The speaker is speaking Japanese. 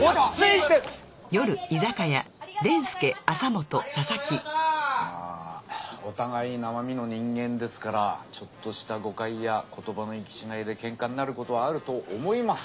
まあお互い生身の人間ですからちょっとした誤解や言葉の行き違いでケンカになることはあると思います。